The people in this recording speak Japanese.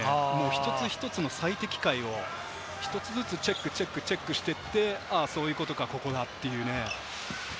一つ一つの最適解をチェック、チェックしてそういうことか、ここだというね。